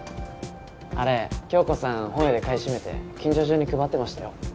あれ響子さん本屋で買い占めて近所中に配ってましたよ